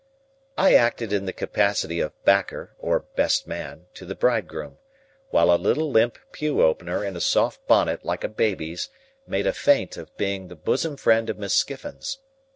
I acted in the capacity of backer, or best man, to the bridegroom; while a little limp pew opener in a soft bonnet like a baby's, made a feint of being the bosom friend of Miss Skiffins.